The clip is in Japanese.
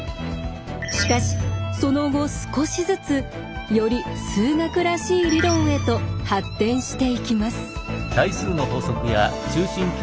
しかしその後少しずつより数学らしい理論へと発展していきます。